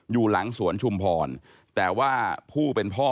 อยู่หลังสวนชุมพรแต่ว่าผู้เป็นพ่อ